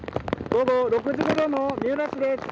午後６時ごろの三浦市です。